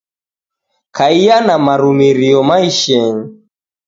Kaiya na marumirio maishenyi.